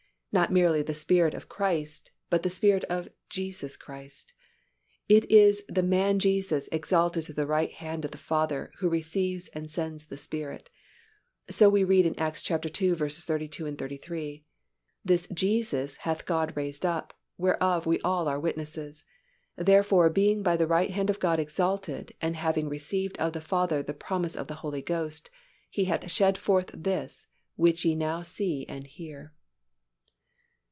Not merely the Spirit of Christ, but the Spirit of Jesus Christ. It is the Man Jesus exalted to the right hand of the Father who receives and sends the Spirit. So we read in Acts ii. 32, 33, "This Jesus hath God raised up, whereof we all are witnesses. Therefore being by the right hand of God exalted, and having received of the Father the promise of the Holy Ghost, He hath shed forth this, which ye now see and hear."